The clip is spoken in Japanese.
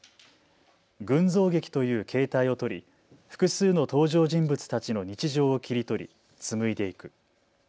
群像劇という形態を取り複数の登場人物たちの日常を切り取り紡いでいく。